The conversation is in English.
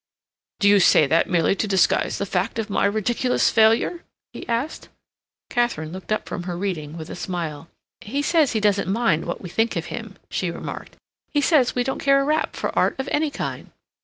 "Do you say that merely to disguise the fact of my ridiculous failure?" he asked. Katharine looked up from her reading with a smile. "He says he doesn't mind what we think of him," she remarked. "He says we don't care a rap for art of any kind."